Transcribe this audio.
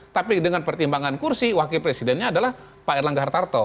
tapi dengan pertimbangan kursi wakil presidennya adalah pak erlangga hartarto